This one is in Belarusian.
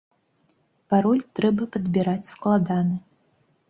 Пароль трэба падбіраць складаны.